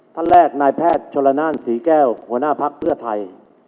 ท่านแรกนายแพทย์ชนละนานศรีแก้วหัวหน้าภักดิ์เพื่อไทย